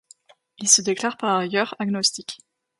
Il se déclare par ailleurs agnostique.